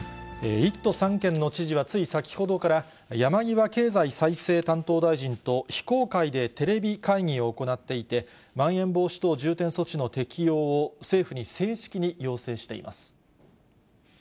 １都３県の知事は、つい先ほどから、山際経済再生担当大臣と非公開でテレビ会議を行っていて、まん延防止等重点措置の適用を政府に正式に要請しています。